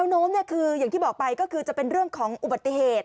โน้มคืออย่างที่บอกไปก็คือจะเป็นเรื่องของอุบัติเหตุ